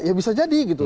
ya bisa jadi gitu